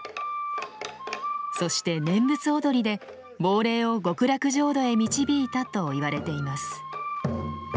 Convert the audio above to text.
そして念仏踊りで亡霊を極楽浄土へ導いたといわれています。